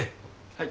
はい。